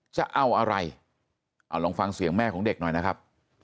จะเอาอะไรเอาลองฟังเสียงแม่ของเด็กหน่อยนะครับ